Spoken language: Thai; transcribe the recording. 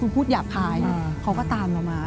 คือพูดหยาบคายเขาก็ตามเรามา